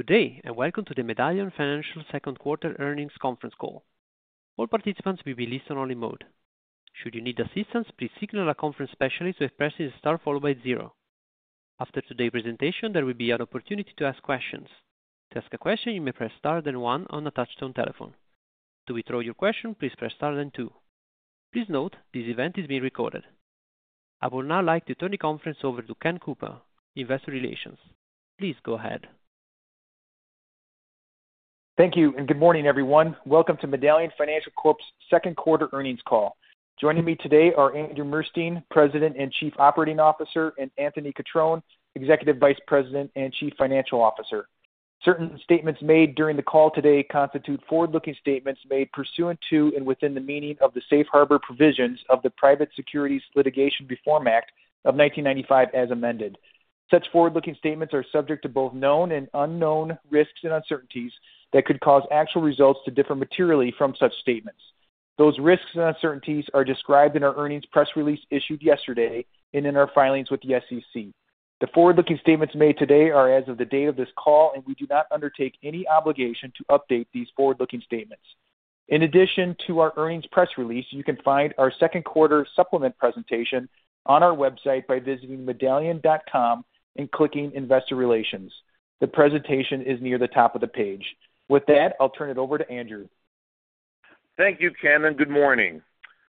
Good day, and welcome to the Medallion Financial second quarter earnings conference call. All participants will be in listen-only mode. If you need assistance, please contact a conference specialist by pressing star followed by zero. After today's presentation, there will be an opportunity to ask questions. To ask a question, you may press star then one on a touch-tone telephone. To withdraw your question, please press star then two. Please note this event is being recorded. I would now like to turn the conference over to Ken Cooper, Investor Relations. Please go ahead. Thank you, and good morning, everyone. Welcome to Medallion Financial Corp's second quarter earnings call. Joining me today are Andrew Murstein, President and Chief Operating Officer, and Anthony Cutrone, Executive Vice President and Chief Financial Officer. Certain statements made during the call today constitute forward-looking statements made pursuant to and within the meaning of the Safe Harbor Provisions of the Private Securities Litigation Reform Act of 1995 as amended. Such forward-looking statements are subject to both known and unknown risks and uncertainties that could cause actual results to differ materially from such statements. Those risks and uncertainties are described in our earnings press release issued yesterday and in our filings with the SEC. The forward-looking statements made today are as of the date of this call, and we do not undertake any obligation to update these forward-looking statements. In addition to our earnings press release, you can find our second quarter Supplement presentation on our website by visiting medallion.com and clicking Investor Relations. The presentation is near the top of the page. With that, I'll turn it over to Andrew. Thank you, Ken, and good morning.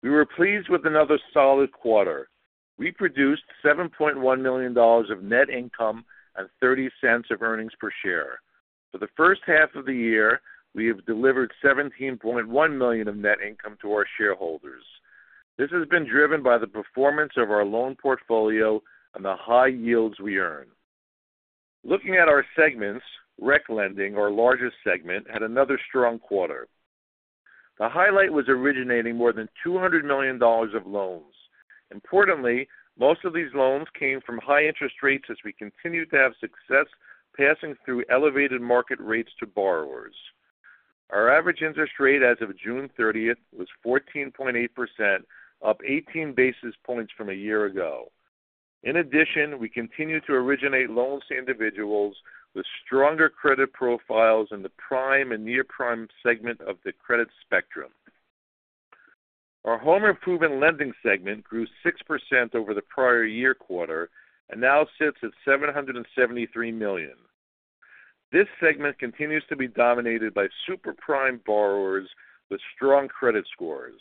We were pleased with another solid quarter. We produced $7.1 million of net income and $0.30 of earnings per share. For the first half of the year, we have delivered $17.1 million of net income to our shareholders. This has been driven by the performance of our loan portfolio and the high yields we earn. Looking at our segments, Recreation Lending, our largest segment, had another strong quarter. The highlight was originating more than $200 million of loans. Importantly, most of these loans came from high interest rates as we continue to have success passing through elevated market rates to borrowers. Our average interest rate as of June 30th was 14.8%, up 18 basis points from a year ago. In addition, we continue to originate loans to individuals with stronger credit profiles in the prime and near-prime segment of the credit spectrum. Our home improvement lending segment grew 6% over the prior year quarter and now sits at $773 million. This segment continues to be dominated by super-prime borrowers with strong credit scores.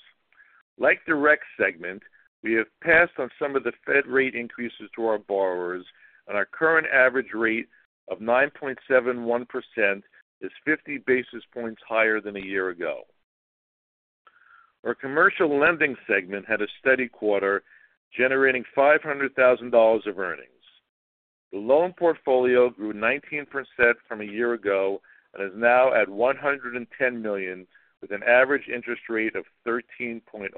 Like the REK segment, we have passed on some of the Fed rate increases to our borrowers, and our current average rate of 9.71% is 50 basis points higher than a year ago. Our commercial lending segment had a steady quarter, generating $500,000 of earnings. The loan portfolio grew 19% from a year ago and is now at $110 million, with an average interest rate of 13.05%.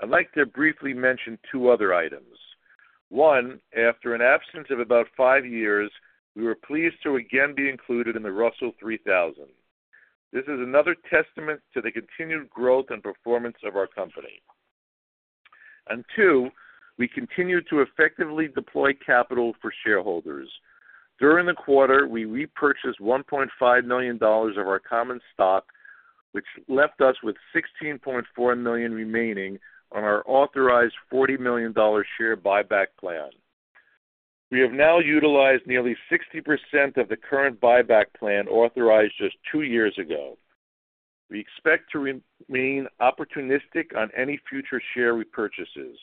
I'd like to briefly mention two other items. One, after an absence of about five years, we were pleased to again be included in the Russell 3,000. This is another testament to the continued growth and performance of our company. And two, we continue to effectively deploy capital for shareholders. During the quarter, we repurchased $1.5 million of our common stock, which left us with $16.4 million remaining on our authorized $40 million share buyback plan. We have now utilized nearly 60% of the current buyback plan authorized just two years ago. We expect to remain opportunistic on any future share repurchases.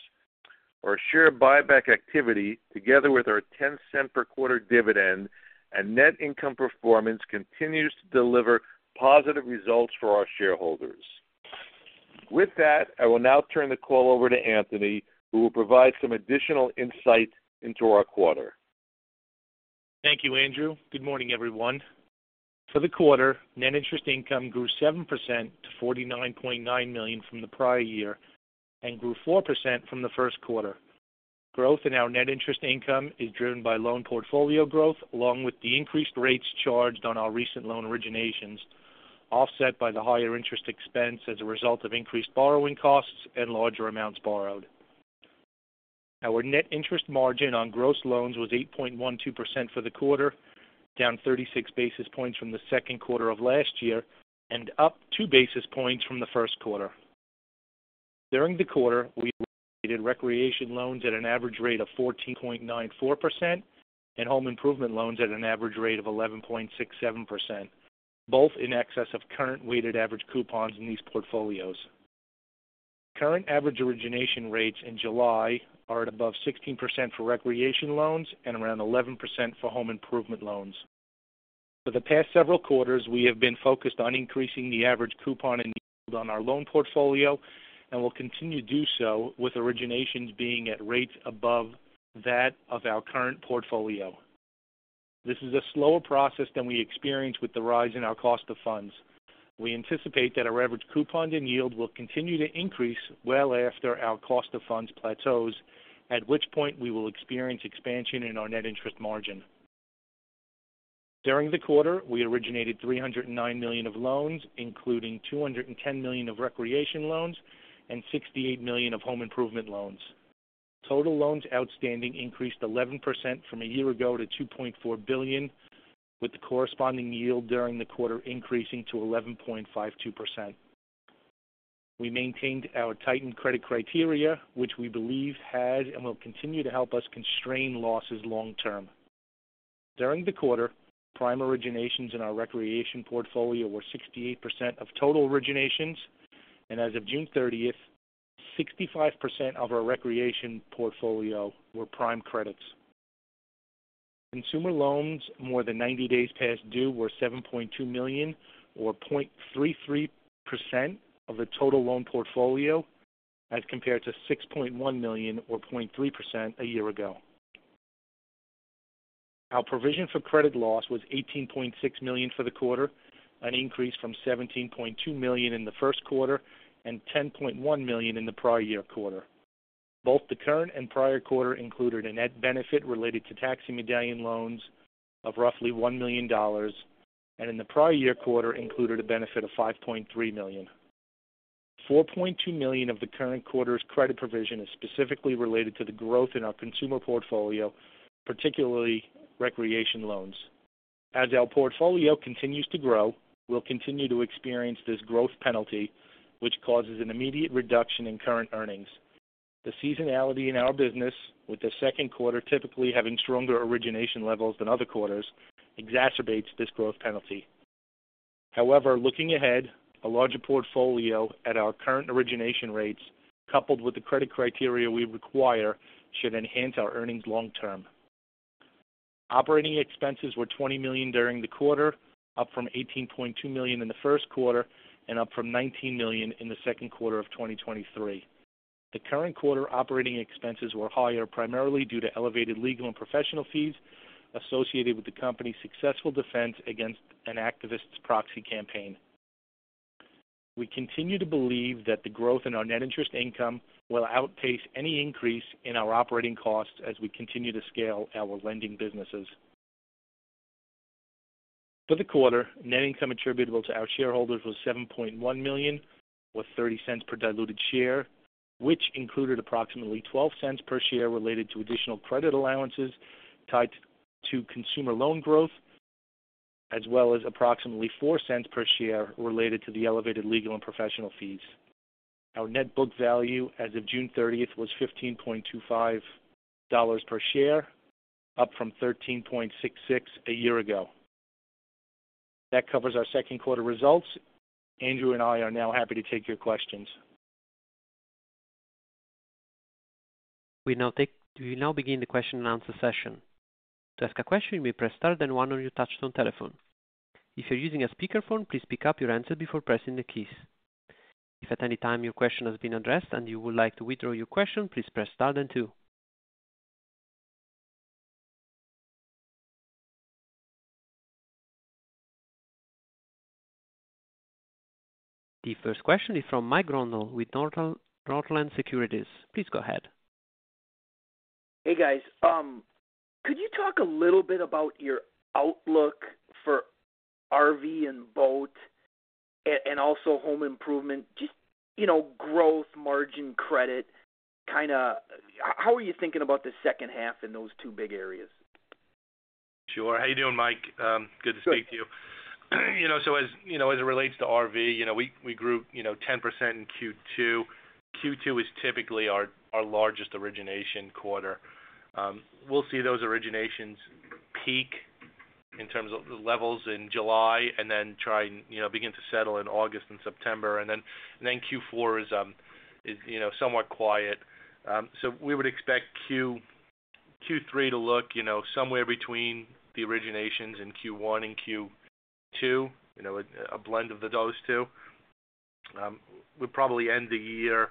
Our share buyback activity, together with our $0.10 per quarter dividend and net income performance, continues to deliver positive results for our shareholders. With that, I will now turn the call over to Anthony, who will provide some additional insight into our quarter. Thank you, Andrew. Good morning, everyone. For the quarter, net interest income grew 7% to $49.9 million from the prior year and grew 4% from the first quarter. Growth in our net interest income is driven by loan portfolio growth, along with the increased rates charged on our recent loan originations, offset by the higher interest expense as a result of increased borrowing costs and larger amounts borrowed. Our net interest margin on gross loans was 8.12% for the quarter, down 36 basis points from the second quarter of last year and up 2 basis points from the first quarter. During the quarter, we originated recreation loans at an average rate of 14.94% and home improvement loans at an average rate of 11.67%, both in excess of current weighted average coupons in these portfolios. Current average origination rates in July are at above 16% for recreation loans and around 11% for home improvement loans. For the past several quarters, we have been focused on increasing the average coupon in yield on our loan portfolio and will continue to do so, with originations being at rates above that of our current portfolio. This is a slower process than we experienced with the rise in our cost of funds. We anticipate that our average coupon in yield will continue to increase well after our cost of funds plateaus, at which point we will experience expansion in our net interest margin. During the quarter, we originated $309 million of loans, including $210 million of recreation loans and $68 million of home improvement loans. Total loans outstanding increased 11% from a year ago to $2.4 billion, with the corresponding yield during the quarter increasing to 11.52%. We maintained our tightened credit criteria, which we believe has and will continue to help us constrain losses long term. During the quarter, prime originations in our recreation portfolio were 68% of total originations, and as of June 30th, 65% of our recreation portfolio were prime credits. Consumer loans more than 90 days past due were $7.2 million, or 0.33% of the total loan portfolio, as compared to $6.1 million, or 0.3%, a year ago. Our provision for credit loss was $18.6 million for the quarter, an increase from $17.2 million in the first quarter and $10.1 million in the prior year quarter. Both the current and prior quarter included a net benefit related to taxi medallion loans of roughly $1 million, and in the prior year quarter included a benefit of $5.3 million. $4.2 million of the current quarter's credit provision is specifically related to the growth in our consumer portfolio, particularly recreation loans. As our portfolio continues to grow, we'll continue to experience this growth penalty, which causes an immediate reduction in current earnings. The seasonality in our business, with the second quarter typically having stronger origination levels than other quarters, exacerbates this growth penalty. However, looking ahead, a larger portfolio at our current origination rates, coupled with the credit criteria we require, should enhance our earnings long term. Operating expenses were $20 million during the quarter, up from $18.2 million in the first quarter and up from $19 million in the second quarter of 2023. The current quarter operating expenses were higher primarily due to elevated legal and professional fees associated with the company's successful defense against an activist's proxy campaign. We continue to believe that the growth in our net interest income will outpace any increase in our operating costs as we continue to scale our lending businesses. For the quarter, net income attributable to our shareholders was $7.1 million, or $0.30 per diluted share, which included approximately $0.12 per share related to additional credit allowances tied to consumer loan growth, as well as approximately $0.04 per share related to the elevated legal and professional fees. Our net book value as of June 30th was $15.25 per share, up from $13.66 a year ago. That covers our second quarter results. Andrew and I are now happy to take your questions. We now begin the question and answer session. To ask a question, you may press star then one on your touch-tone telephone. If you're using a speakerphone, please pick up your handset before pressing the keys. If at any time your question has been addressed and you would like to withdraw your question, please press star then two. The first question is from Mike Grondahl with Northland Securities. Please go ahead. Hey, guys. Could you talk a little bit about your outlook for RV and boat and also home improvement, just growth, margin, credit? How are you thinking about the second half in those two big areas? Sure. How are you doing, Mike? Good to speak to you. So as it relates to RV, we grew 10% in Q2. Q2 is typically our largest origination quarter. We'll see those originations peak in terms of the levels in July and then begin to settle in August and September. And then Q4 is somewhat quiet. So we would expect Q3 to look somewhere between the originations in Q1 and Q2, a blend of those two. We'd probably end the year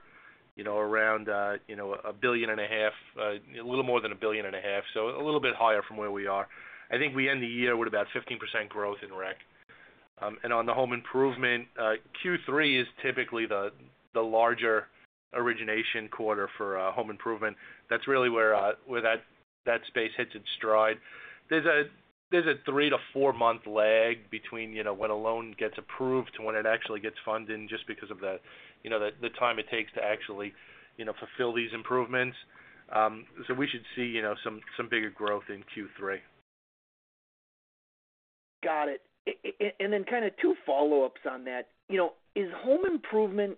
around $1.5 billion, a little more than $1.5 billion, so a little bit higher from where we are. I think we end the year with about 15% growth in REK. And on the home improvement, Q3 is typically the larger origination quarter for home improvement. That's really where that space hits its stride. There's a three to four-month lag between when a loan gets approved to when it actually gets funded just because of the time it takes to actually fulfill these improvements. So we should see some bigger growth in Q3. Got it. And then kind of two follow-ups on that. Has home improvement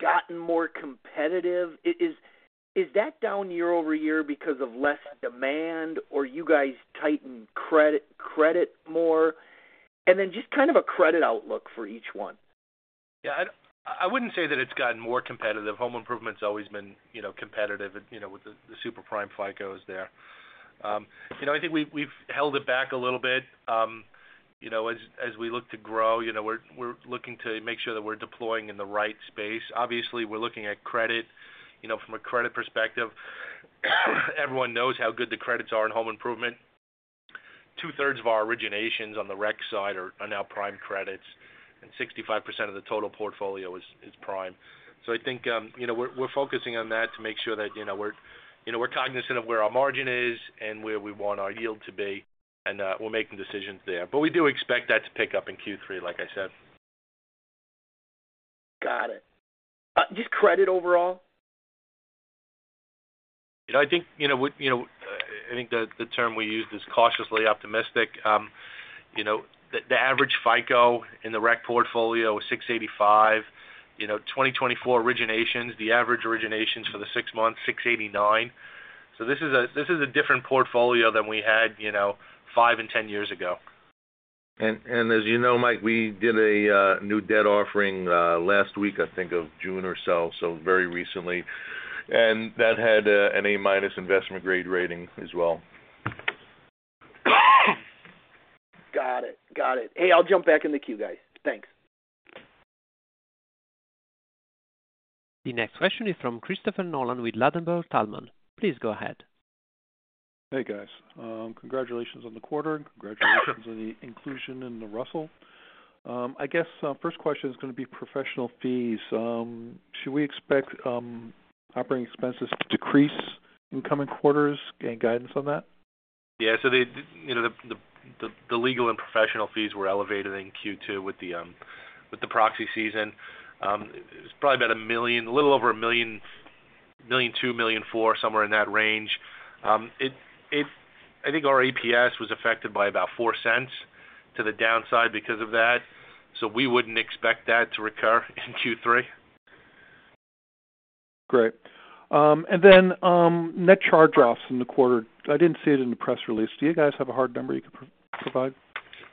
gotten more competitive? Is that down year-over-year because of less demand, or you guys tighten credit more? And then just kind of a credit outlook for each one. Yeah. I wouldn't say that it's gotten more competitive. Home improvement's always been competitive with the super-prime FICOs there. I think we've held it back a little bit as we look to grow. We're looking to make sure that we're deploying in the right space. Obviously, we're looking at credit from a credit perspective. Everyone knows how good the credits are in home improvement. Two-thirds of our originations on the REK side are now prime credits, and 65% of the total portfolio is prime. So I think we're focusing on that to make sure that we're cognizant of where our margin is and where we want our yield to be, and we're making decisions there. But we do expect that to pick up in Q3, like I said. Got it. Just credit overall? I think the term we used is cautiously optimistic. The average FICO in the REK portfolio was $685. 2024 originations, the average originations for the six months, $689. So this is a different portfolio than we had five and 10 years ago. As you know, Mike, we did a new debt offering last week, I think of June or so, so very recently. That had an A-minus investment grade rating as well. Got it. Got it. Hey, I'll jump back in the queue, guys. Thanks. The next question is from Christopher Nolan with Ladenburg Thalmann. Please go ahead. Hey, guys. Congratulations on the quarter. Congratulations on the inclusion in the Russell. I guess first question is going to be professional fees. Should we expect operating expenses to decrease in coming quarters? Any guidance on that? Yeah. So the legal and professional fees were elevated in Q2 with the proxy season. It was probably about $1 million, a little over $1 million, $1.2 million, $1.4 million, somewhere in that range. I think our EPS was affected by about $0.4 to the downside because of that. So we wouldn't expect that to recur in Q3. Great. And then net charge-offs in the quarter, I didn't see it in the press release. Do you guys have a hard number you could provide?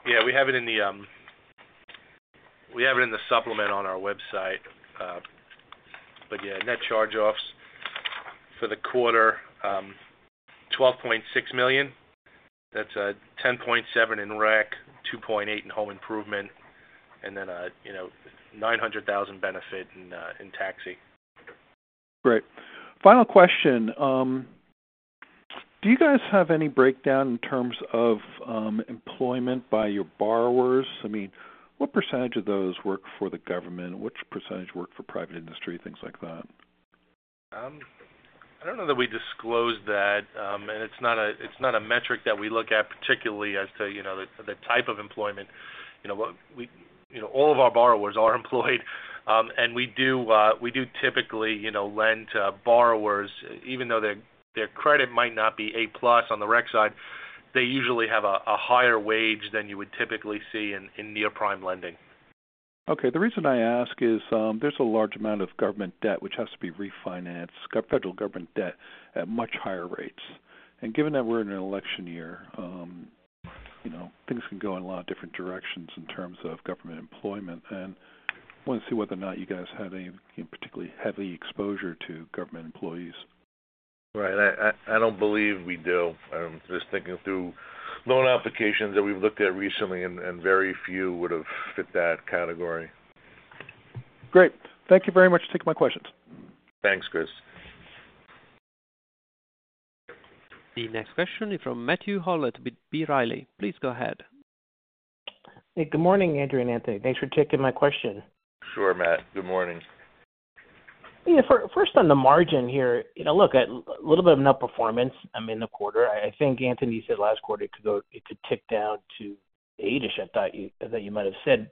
Yeah. We have it in the supplement on our website. But yeah, net charge-offs for the quarter, $12.6 million. That's $10.7 in REK, $2.8 in home improvement, and then $900,000 benefit in taxi. Great. Final question. Do you guys have any breakdown in terms of employment by your borrowers? I mean, what percentage of those work for the government? Which percentage work for private industry, things like that? I don't know that we disclose that. It's not a metric that we look at particularly as to the type of employment. All of our borrowers are employed, and we do typically lend to borrowers. Even though their credit might not be A-plus on the REK side, they usually have a higher wage than you would typically see in near-prime lending. Okay. The reason I ask is there's a large amount of government debt which has to be refinanced, federal government debt at much higher rates. Given that we're in an election year, things can go in a lot of different directions in terms of government employment. I want to see whether or not you guys had any particularly heavy exposure to government employees? Right. I don't believe we do. Just thinking through loan applications that we've looked at recently, and very few would have fit that category. Great. Thank you very much for taking my questions. Thanks, Chris. The next question is from Matthew Howlett with B. Riley. Please go ahead. Hey, good morning, Andrew and Anthony. Thanks for taking my question. Sure, Matt. Good morning. Yeah. First, on the margin here, look, a little bit of net performance in the quarter. I think, Anthony, you said last quarter it could tick down to eight-ish, I thought you might have said.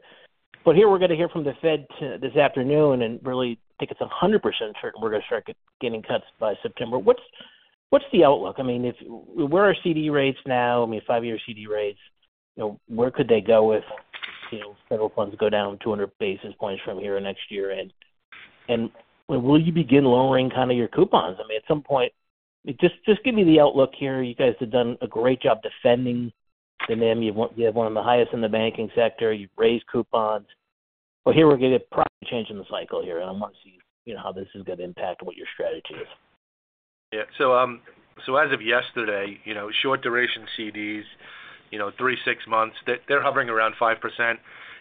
But here, we're going to hear from the Fed this afternoon and really think it's 100% certain we're going to start getting cuts by September. What's the outlook? I mean, where are CD rates now? I mean, five-year CD rates, where could they go if federal funds go down 200 basis points from here next year? And will you begin lowering kind of your coupons? I mean, at some point, just give me the outlook here. You guys have done a great job defending the name. You have one of the highest in the banking sector. You've raised coupons. But here, we're going to get a price change in the cycle here, and I want to see how this is going to impact what your strategy is. Yeah. So as of yesterday, short-duration CDs, three, siz months, they're hovering around 5%.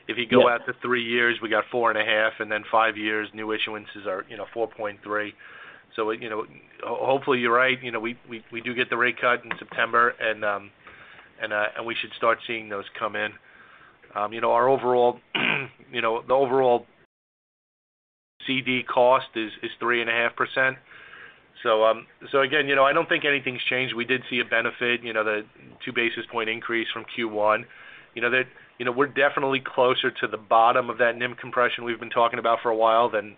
If you go out to 3 years, we got 4.5. And then 5 years, new issuances are 4.3. So hopefully, you're right. We do get the rate cut in September, and we should start seeing those come in. The overall CD cost is 3.5%. So again, I don't think anything's changed. We did see a benefit, the 2-basis-point increase from Q1. We're definitely closer to the bottom of that NIM compression we've been talking about for a while than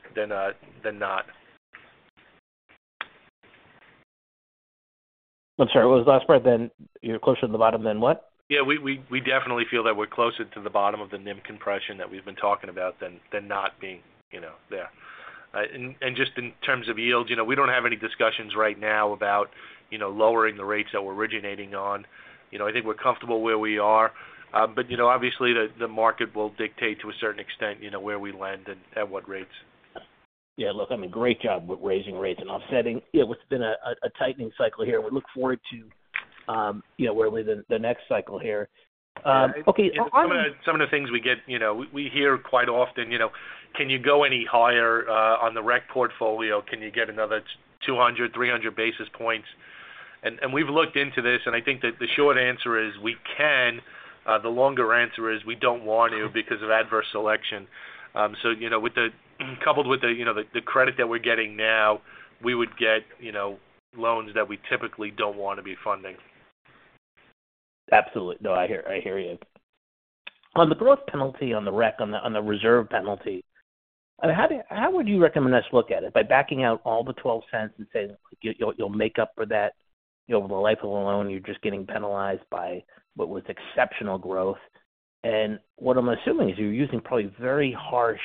not. I'm sorry. What was the last part? Closer to the bottom than what? Yeah. We definitely feel that we're closer to the bottom of the NIM compression that we've been talking about than not being there. And just in terms of yields, we don't have any discussions right now about lowering the rates that we're originating on. I think we're comfortable where we are. But obviously, the market will dictate, to a certain extent, where we lend and at what rates. Yeah. Look, I mean, great job with raising rates and offsetting. It's been a tightening cycle here, and we look forward to where we're in the next cycle here. Okay. Some of the things we get, we hear quite often, "Can you go any higher on the REK portfolio? Can you get another 200-300 basis points?" And we've looked into this, and I think the short answer is we can. The longer answer is we don't want to because of adverse selection. So coupled with the credit that we're getting now, we would get loans that we typically don't want to be funding. Absolutely. No, I hear you. On the growth penalty on the REK, on the reserve penalty, how would you recommend us look at it? By backing out all the $0.12 and saying you'll make up for that over the life of a loan, you're just getting penalized by what was exceptional growth. And what I'm assuming is you're using probably very harsh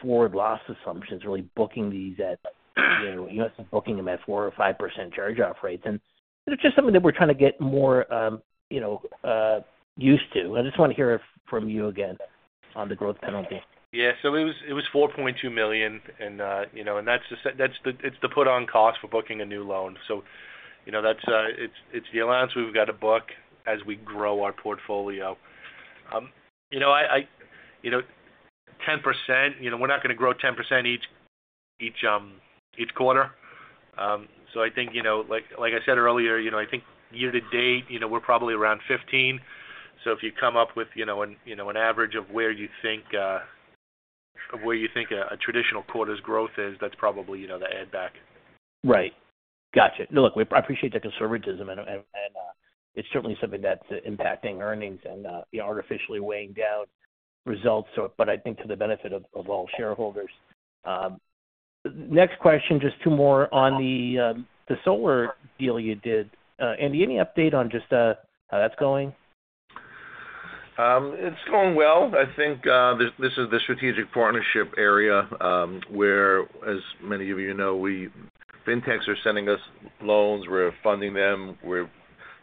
forward loss assumptions, really booking these at you must be booking them at 4% or 5% charge-off rates. And it's just something that we're trying to get more used to. I just want to hear from you again on the growth penalty. Yeah. So it was $4.2 million, and that's the put-on cost for booking a new loan. So it's the allowance we've got to book as we grow our portfolio. 10%, we're not going to grow 10% each quarter. So I think, like I said earlier, I think year to date, we're probably around 15%. So if you come up with an average of where you think a traditional quarter's growth is, that's probably the add-back. Right. Gotcha. No, look, I appreciate the conservatism, and it's certainly something that's impacting earnings and artificially weighing down results. But I think to the benefit of all shareholders. Next question, just two more on the solar deal you did. Andy, any update on just how that's going? It's going well. I think this is the strategic partnership area where, as many of you know, FinTechs are sending us loans. We're funding them. We're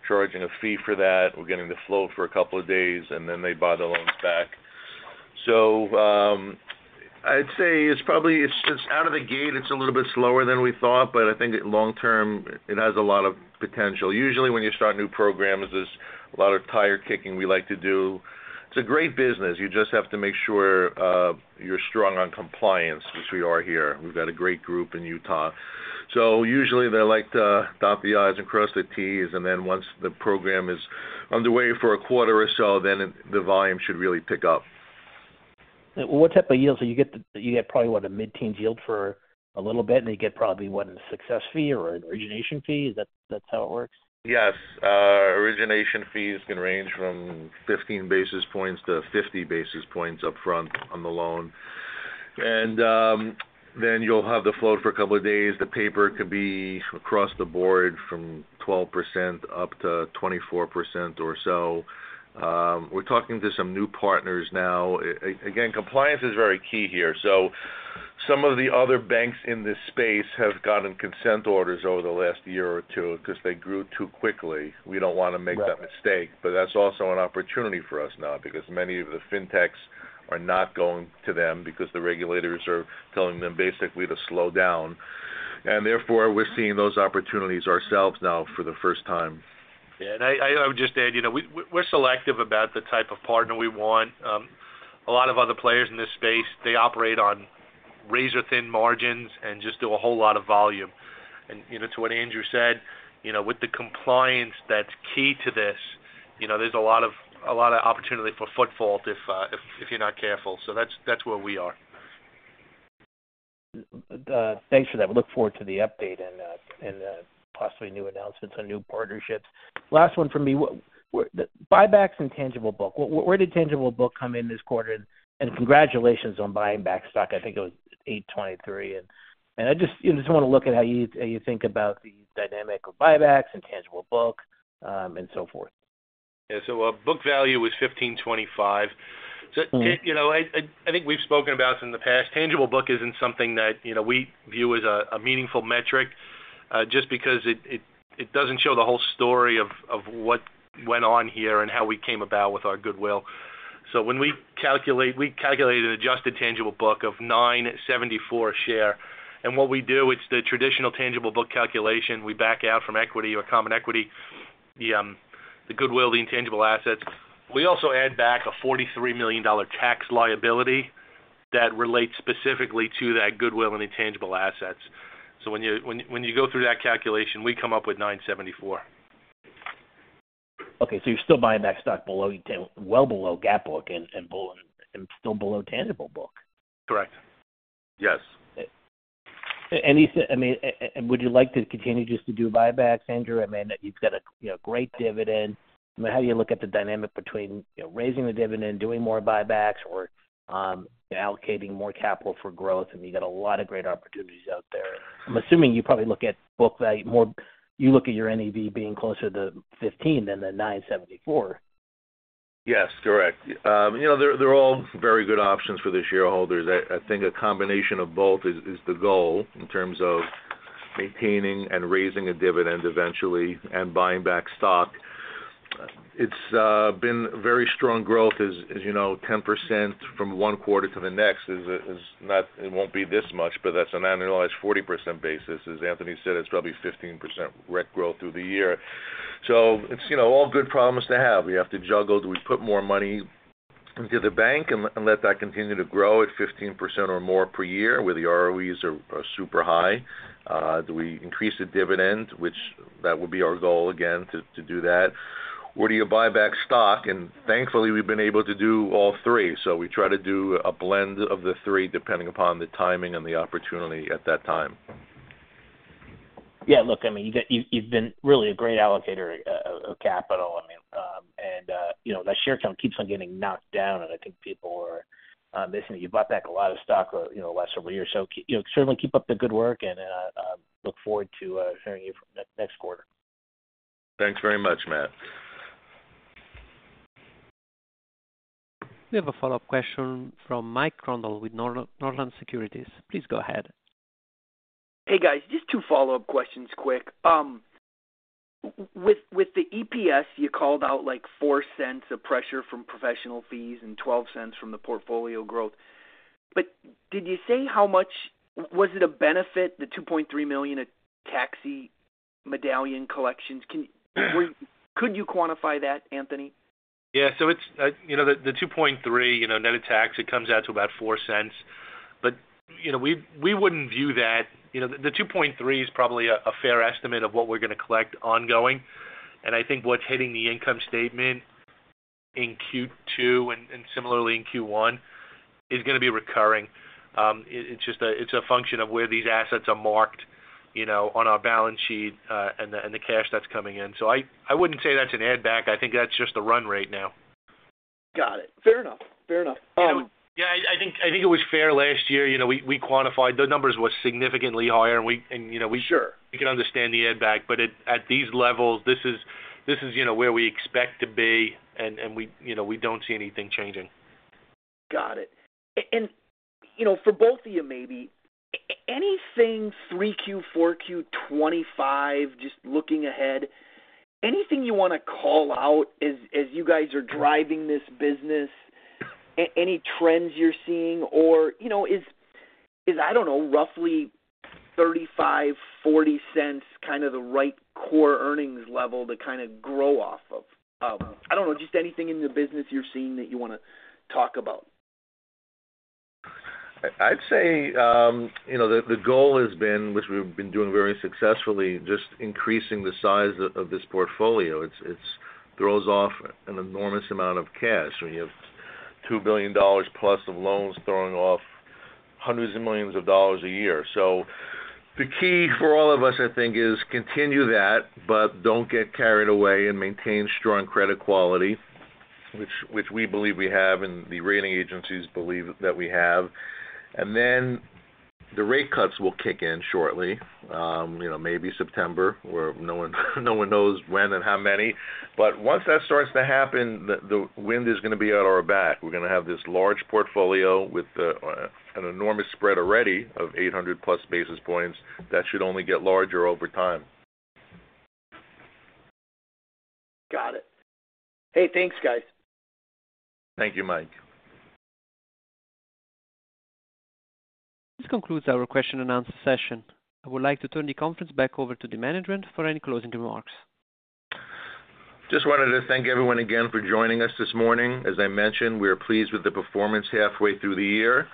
charging a fee for that. We're getting the flow for a couple of days, and then they buy the loans back. So I'd say it's probably just out of the gate. It's a little bit slower than we thought, but I think long-term, it has a lot of potential. Usually, when you start new programs, there's a lot of tire kicking we like to do. It's a great business. You just have to make sure you're strong on compliance, which we are here. We've got a great group in Utah. So usually, they like to dot the i's and cross the t's. Then once the program is underway for a quarter or so, then the volume should really pick up. What type of yields? So you get probably what, a mid-teens yield for a little bit, and they get probably what, a success fee or an origination fee? That's how it works? Yes. Origination fees can range from 15-50 basis points upfront on the loan. And then you'll have the flow for a couple of days. The paper could be across the board from 12%-24% or so. We're talking to some new partners now. Again, compliance is very key here. So some of the other banks in this space have gotten consent orders over the last year or two because they grew too quickly. We don't want to make that mistake. But that's also an opportunity for us now because many of the fintechs are not going to them because the regulators are telling them basically to slow down. And therefore, we're seeing those opportunities ourselves now for the first time. Yeah. And I would just add, we're selective about the type of partner we want. A lot of other players in this space, they operate on razor-thin margins and just do a whole lot of volume. And to what Andrew said, with the compliance that's key to this, there's a lot of opportunity for pitfall if you're not careful. So that's where we are. Thanks for that. We look forward to the update and possibly new announcements on new partnerships. Last one from me. Buybacks and Tangible Book. Where did Tangible Book come in this quarter? And congratulations on buying back stock. I think it was 823. And I just want to look at how you think about the dynamic of buybacks and Tangible Book and so forth. Yeah. So book value was $15.25. I think we've spoken about this in the past. Tangible Book isn't something that we view as a meaningful metric just because it doesn't show the whole story of what went on here and how we came about with our goodwill. So when we calculated, we calculated an adjusted Tangible Book of $9.74 a share. And what we do, it's the traditional Tangible Book calculation. We back out from equity or common equity, the goodwill, the intangible assets. We also add back a $43 million tax liability that relates specifically to that goodwill and intangible assets. So when you go through that calculation, we come up with $9.74. Okay. So you're still buying back stock well below GAAP book and still below tangible book? Correct. Yes. I mean, would you like to continue just to do buybacks, Andrew? I mean, you've got a great dividend. I mean, how do you look at the dynamic between raising the dividend, doing more buybacks, or allocating more capital for growth? I mean, you've got a lot of great opportunities out there. I'm assuming you probably look at book value more. You look at your NEV being closer to 15 than the 9.74. Yes. Correct. They're all very good options for the shareholders. I think a combination of both is the goal in terms of maintaining and raising a dividend eventually and buying back stock. It's been very strong growth. As you know, 10% from one quarter to the next is not, it won't be this much, but that's an annualized 40% basis. As Anthony said, it's probably 15% REK growth through the year. So it's all good problems to have. We have to juggle. Do we put more money into the bank and let that continue to grow at 15% or more per year where the ROEs are super high? Do we increase the dividend, which that would be our goal again to do that? Or do you buy back stock? And thankfully, we've been able to do all three. So we try to do a blend of the three depending upon the timing and the opportunity at that time. Yeah. Look, I mean, you've been really a great allocator of capital. I mean, and that share count keeps on getting knocked down, and I think people are missing it. You bought back a lot of stock the last several years. So certainly keep up the good work, and I look forward to hearing you next quarter. Thanks very much, Matt. We have a follow-up question from Mike Grondahl with Northland Securities. Please go ahead. Hey, guys. Just two follow-up questions quick. With the EPS, you called out like $0.04 of pressure from professional fees and $0.12 from the portfolio growth. But did you say how much was it a benefit, the $2.3 million at Taxi Medallion collections? Could you quantify that, Anthony? Yeah. So the 2.3 net of tax, it comes out to about $0.04. But we wouldn't view that. The 2.3 is probably a fair estimate of what we're going to collect ongoing. And I think what's hitting the income statement in Q2 and similarly in Q1 is going to be recurring. It's a function of where these assets are marked on our balance sheet and the cash that's coming in. So I wouldn't say that's an add-back. I think that's just the run rate now. Got it. Fair enough. Fair enough. Yeah. I think it was fair last year. We quantified. The numbers were significantly higher, and we can understand the add-back. But at these levels, this is where we expect to be, and we don't see anything changing. Got it. And for both of you, maybe, anything 3Q, 4Q, 2025, just looking ahead, anything you want to call out as you guys are driving this business? Any trends you're seeing? Or is, I don't know, roughly $0.35-$0.40 kind of the right core earnings level to kind of grow off of? I don't know. Just anything in the business you're seeing that you want to talk about. I'd say the goal has been, which we've been doing very successfully, just increasing the size of this portfolio. It throws off an enormous amount of cash. We have $2 billion+ of loans throwing off hundreds of millions of dollars a year. So the key for all of us, I think, is continue that, but don't get carried away and maintain strong credit quality, which we believe we have, and the rating agencies believe that we have. Then the rate cuts will kick in shortly, maybe September, where no one knows when and how many. But once that starts to happen, the wind is going to be at our back. We're going to have this large portfolio with an enormous spread already of 800+ basis points. That should only get larger over time. Got it. Hey, thanks, guys. Thank you, Mike. This concludes our question and answer session. I would like to turn the conference back over to the management for any closing remarks. Just wanted to thank everyone again for joining us this morning. As I mentioned, we are pleased with the performance halfway through the year.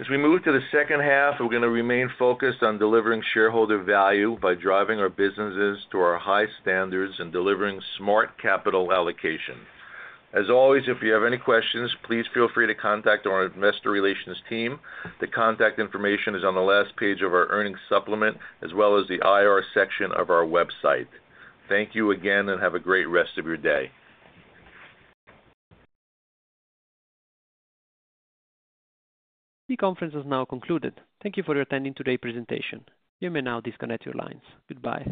As we move to the second half, we're going to remain focused on delivering shareholder value by driving our businesses to our high standards and delivering smart capital allocation. As always, if you have any questions, please feel free to contact our investor relations team. The contact information is on the last page of our earnings supplement as well as the IR section of our website. Thank you again, and have a great rest of your day. The conference has now concluded. Thank you for attending today's presentation. You may now disconnect your lines. Goodbye.